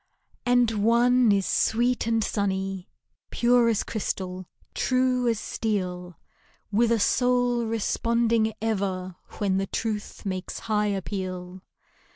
And one is sweet and sunny. Pure as crystal, true as steel, With a soul responding ever When the truth makes high appeal.